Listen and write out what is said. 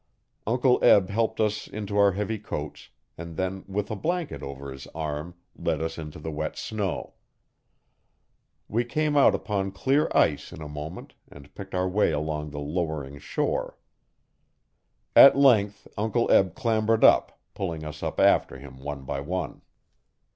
Uncle Eb helped us into our heavy coats, and then with a blanket over his arm led us into the wet snow. We came out upon clear ice in a moment and picked our way along the lowering shore. At length Uncle Eb clambered up, pulling us up after him, one by one.